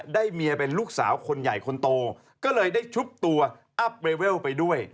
ได้เมียเป็นลูกสาวคนใหญ่คนโตก็เลยได้ชุบตัวอัพเวลไปด้วย